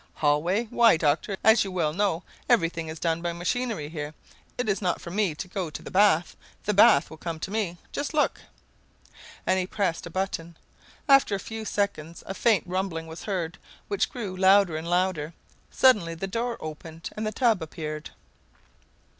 "Hall way? Why, Doctor, as you well know, everything is done by machinery here. It is not for me to go to the bath; the bath will come to me. Just look!" and he pressed a button. After a few seconds a faint rumbling was heard, which grew louder and louder. Suddenly the door opened, and the tub appeared.